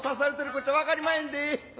こっちゃわかりまへんで。